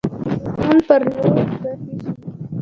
هندوستان پر لور رهي شي.